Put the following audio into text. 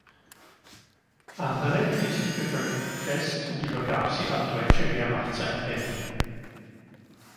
Andere hielt die Bevölkerung fest und übergab sie an deutsche Wehrmachtseinheiten.